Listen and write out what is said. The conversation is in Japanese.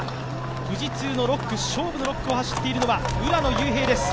富士通の勝負の６区を走っているのは浦野雄平です。